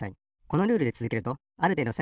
このルールでつづけるとあるていど